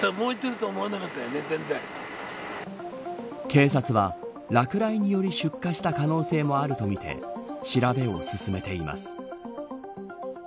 警察は落雷により出火した可能性もあるとみて調べを進めています。